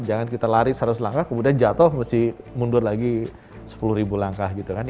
jangan kita lari seratus langkah kemudian jatuh mesti mundur lagi sepuluh ribu langkah gitu kan